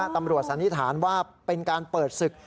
สันนิษฐานว่าเป็นการเปิดศึก